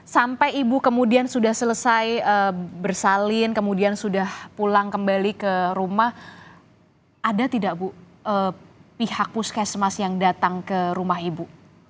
sampai ibu kemudian sudah selesai bersalin kemudian sudah pulang kembali ke rumah ada tidak bu pihak puskesmas yang datang ke rumah ibu